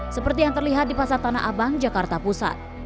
seperti yang terlihat di pasar tanah abang jakarta pusat